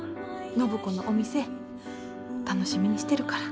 暢子のお店楽しみにしてるから。